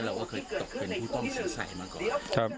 เราก็เคยตกเป็นผู้ต้องสงสัยมาก่อน